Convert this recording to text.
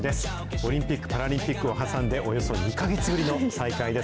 オリンピック・パラリンピックを挟んでおよそ２か月ぶりの再開です。